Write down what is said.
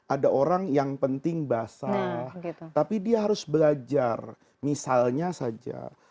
ada orang yang penting basah tapi dia harus belajar misalnya saja